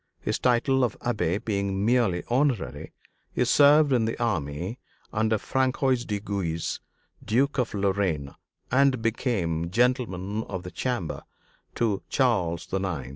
His title of Abbé being merely honorary, he served in the army under François de Guise, Duke of Lorraine, and became Gentleman of the Chamber to Charles IX.